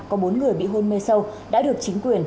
có bốn người bị hôn mê sâu đã được chính quyền